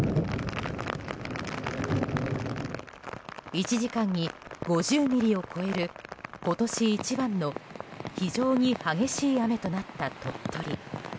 １時間に５０ミリを超える今年一番の非常に激しい雨となった鳥取。